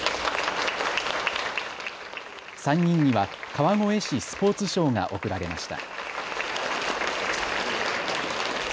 ３人には川越市スポーツ賞が贈られました。